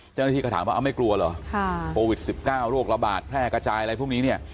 เจ้าหน้าที่ก็ถามว่าไม่กลัวเหรอโควิด๑๙โรคระบาดแพร่กระจายอะไรพวกนี้เนี่ย